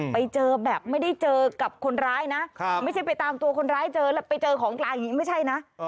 ไปเจอแบบไม่ได้เจอกับคนร้ายนะไม่ใช่ไปตามตัวคนร้ายเจอแล้วไปเจอของกลางอย่างนี้ไม่ใช่นะ